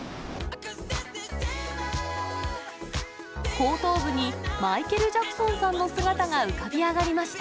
後頭部にマイケル・ジャクソンさんの姿が浮かび上がりました。